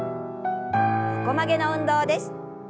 横曲げの運動です。